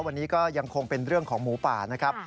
วันนี้ก็ยังคงเป็นเรื่องของหมูป่านะครับ